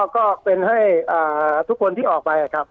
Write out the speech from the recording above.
ก็เป็นให้ทุกคนที่ออกไปครับ